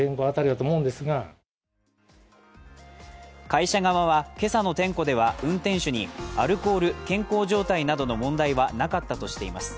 会社側は、今朝の点呼では運転手にアルコール、健康状態などの問題はなかったとしています。